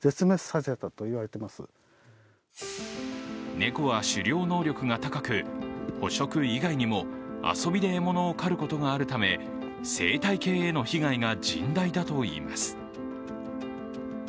猫は狩猟能力が高く捕食以外にも遊びで獲物を狩ることがあるため生態系への被害が甚大だといいます。